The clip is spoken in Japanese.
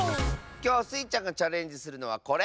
きょうスイちゃんがチャレンジするのはこれ！